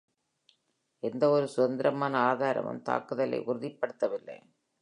எந்தவொரு சுதந்திரமான ஆதாரமும் தாக்குதலை உறுதிப்படுத்தவில்லை.